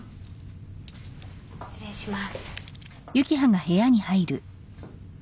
失礼します。